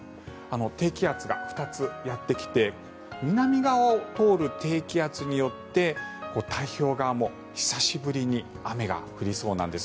低気圧が２つやってきて南側を通る低気圧によって太平洋側も久しぶりに雨が降りそうなんです。